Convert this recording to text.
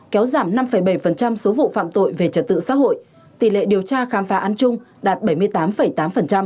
kéo giảm năm bảy số vụ phạm tội về trật tự xã hội tỷ lệ điều tra khám phá án chung đạt bảy mươi tám tám